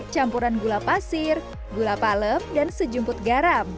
campuran gula pasir gula palem dan sejumput garam